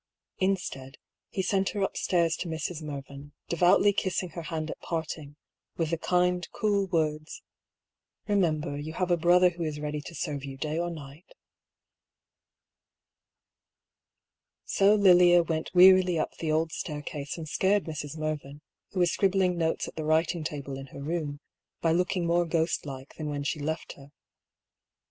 Instead, he sent her upstairs to Mrs. Mervyn, devoutly kissing her hand at parting, with the kind, cool words : "Remember, you have a brother who is ready to serve you day or night." So Lilia went wearily up the old staircase and scared Mrs. Mervyn, who was scribbling notes at the writing table in her room, by looking more ghostlike than when she left her.